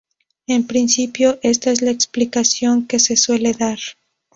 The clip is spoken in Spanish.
En principio, esta es la explicación que se suele dar.